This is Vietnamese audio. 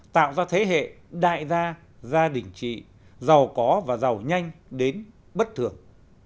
tạo ra thế hệ đại gia gia đình trị giàu có và giàu nhanh đến bất thường